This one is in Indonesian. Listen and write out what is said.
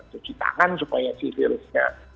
cuci tangan supaya si virusnya